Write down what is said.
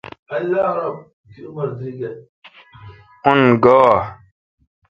ان گا۔